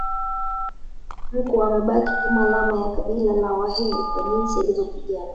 Mkwa amebaki kama alama ya kabila la Wahehe kwa jinsi alivyopigana